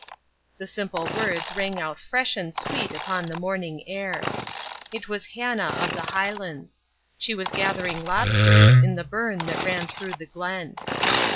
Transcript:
The simple words rang out fresh and sweet upon the morning air. It was Hannah of the Highlands. She was gathering lobsters in the burn that ran through the glen.